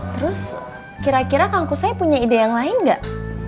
terus kira kira kangku saya punya ide yang lain nggak